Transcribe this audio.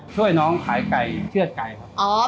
ช่วยน้องขายไก่เชื่อดไก่ครับ